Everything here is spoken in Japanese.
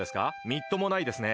みっともないですね。